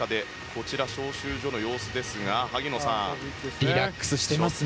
こちら、招集所の様子ですがリラックスしてますね。